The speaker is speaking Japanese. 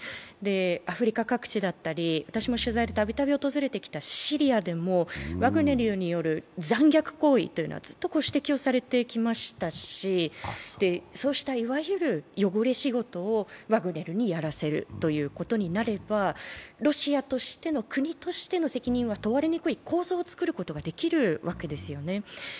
アフリカ各地だったり、私も取材でたびたび訪れてきたシリアでもワグネルによる残虐行為というのはずっと指摘をされてきましたし、そうしたいわゆる汚れ仕事をワグネルにやらせるということになれば、ロシアとしての国としての責任は問われにくい構図を作ることができるわけですよね。